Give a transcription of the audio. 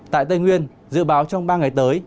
tại tây nguyên dự báo trong ba ngày tới